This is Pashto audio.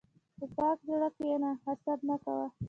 په پاک زړه کښېنه، حسد مه کوه.